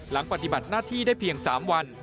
ปฏิบัติหน้าที่ได้เพียง๓วัน